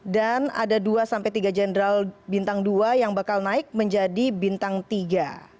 dan ada dua tiga jenderal bintang dua yang bakal naik menjadi bintang tiga